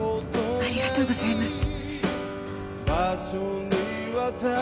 ありがとうございます。